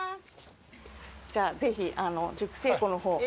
じゃあ、ぜひ熟成庫のほうを。